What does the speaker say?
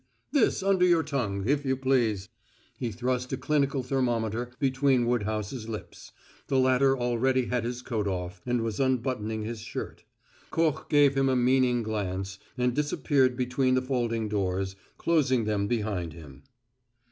This under your tongue, if you please" he thrust a clinical thermometer between Woodhouse's lips; the latter already had his coat off, and was unbuttoning his shirt. Koch gave him a meaning glance, and disappeared between the folding doors, closing them behind him.